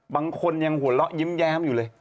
บางคนยังหัวเราะยิ้มแย้มอยู่เลย